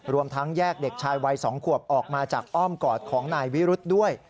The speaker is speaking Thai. รวมทั้งแยกเด็กชายวัย๒ขวบออกมาจากอ้อมกอดของนายวิรุธด้วย